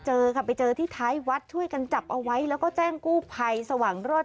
เอาไว้แล้วก็แจ้งกู้ภัยสว่างรอด